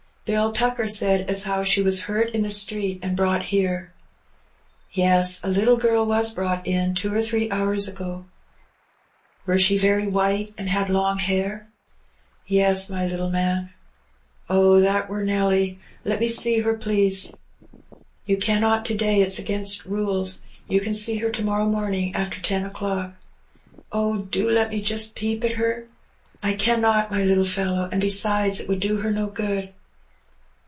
Bill Tucker said as 'ow she was hurt in the street an' brought here." "Yes, a little girl was brought in two or three hours ago." "Wur she very white, an* had long hair?" " Yes, my little man." "Oh, that wur Nelly. Let me see her, please." " You cannot to day, it's against rules ; you can see her to morrow morning, after ten o'clock." " Oh, do let me jist peep at her." " I cannot, my little fellow ; and besides, it would do her no good."